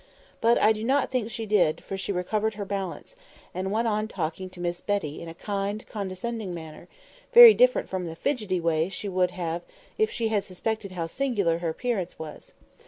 But I do not think she did, for she recovered her balance, and went on talking to Miss Betty in a kind, condescending manner, very different from the fidgety way she would have had if she had suspected how singular her appearance was.